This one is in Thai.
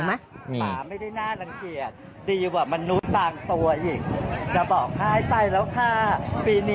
อ่ะมีเสียงไหม